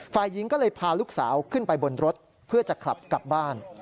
ฝ่ายหญิงก็เลยพาลูกสาวขึ้นไปบนรถเพื่อจะขับกลับบ้าน